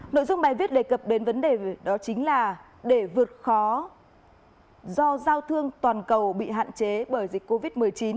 nội dung bài viết đề cập đến vấn đề đó chính là để vượt khó do giao thương toàn cầu bị hạn chế bởi dịch covid một mươi chín